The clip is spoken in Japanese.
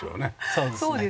そうですね。